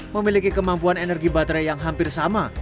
memiliki kemampuan energi baterai yang hampir sama